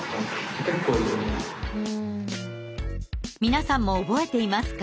皆さんも覚えていますか？